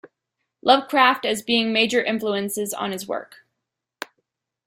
Lovecraft as being major influences on his work.